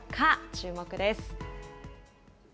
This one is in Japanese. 注目です。